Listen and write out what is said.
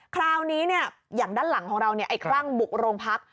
คราวนี้อย่างด้านหลังของเราไอ้คลั่งบุกโรงพัก